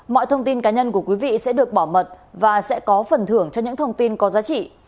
mọi thông tin cá nhân của quý vị sẽ được bảo mật và sẽ có phần thưởng cho những thông tin có giá trị